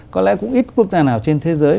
có lẽ cũng ít quốc gia nào trên thế giới